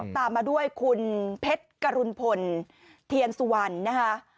ตามมาด้วยคุณเพชรกรุณพลเทียนสุวรรณนะคะ